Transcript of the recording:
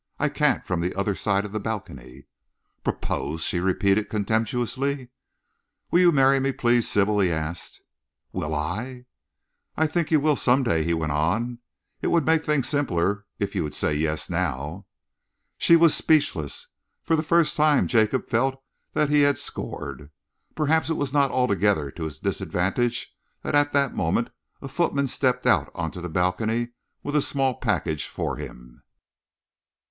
"I can't from the other side of the balcony." "Propose!" she repeated contemptuously. "Will you marry me please, Sybil?" he asked. "Will I " "I think you will some day," he went on. "It would make things simpler if you'd say 'yes' now." She was speechless. For the first time Jacob felt that he had scored. Perhaps it was not altogether to his disadvantage that at that moment a footman stepped out on to the balcony with a small package for him.